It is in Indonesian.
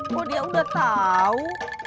kok dia udah tau